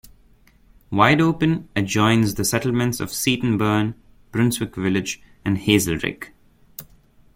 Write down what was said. Wideopen adjoins the settlements of Seaton Burn, Brunswick Village and Hazlerigg.